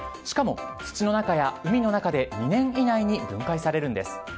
しかも、土の中や海の中で２年以内に分解されるんです。